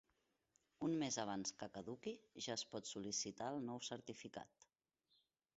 Un mes abans que caduqui ja es pot sol·licitar el nou certificat.